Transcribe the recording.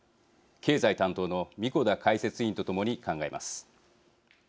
経済担当の神子田解説委員と共に考えます。